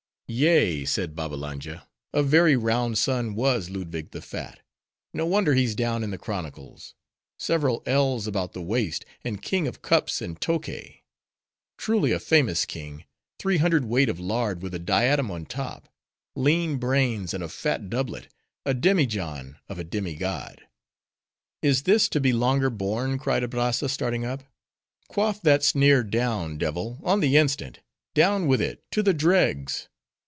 "Yea," said Babbalanja, "a very round sun was Ludwig the Fat. No wonder he's down in the chronicles; several ells about the waist, and King of cups and Tokay. Truly, a famous king: three hundred weight of lard, with a diadem on top: lean brains and a fat doublet—a demijohn of a demi god!" "Is this to be longer borne?" cried Abrazza, starting up. "Quaff that sneer down, devil! on the instant! down with it, to the dregs!